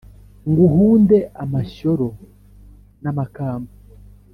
Nguhunde amashyoro namakamba,